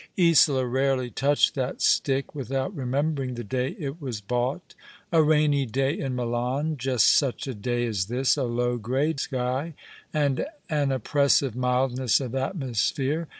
Isola rarely touched that stick without remembering the day it was bought — a rainy day in Milan — ^just such a day as this, a low, grey sky, and an oppressive mildness of atmosphere.